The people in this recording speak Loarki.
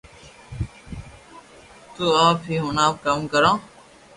تو آپ ھي ھڻاو ڪاو ڪرو